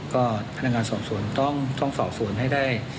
ก็พนักงานสอบสวนต้องสอบสวนให้ได้